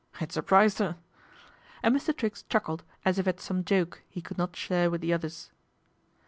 It surprised 'er," and Mr. Triggs chuckled as if at some joke he could not share with the others.